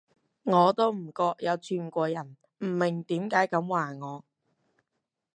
我都唔覺有串過人，唔明點解噉話我